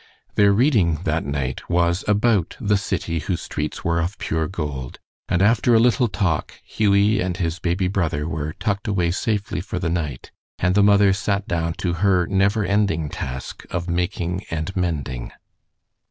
Their reading that night was about the city whose streets were of pure gold, and after a little talk, Hughie and his baby brother were tucked away safely for the night, and the mother sat down to her never ending task of making and mending.